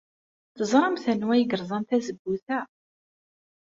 Teẓramt anwa ay yerẓan tazewwut-a?